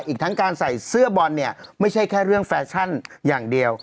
อีกทั้งการใส่เสื้อบอลเนี่ยไม่ใช่แค่เรื่องแฟชั่นอย่างเดียว